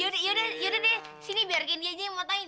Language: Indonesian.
eh yaudah deh sini biarkan dia aja yang memotokin